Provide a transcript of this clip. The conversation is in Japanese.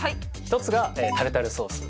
１つがタルタルソース